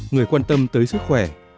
người quan tâm tới sức khỏe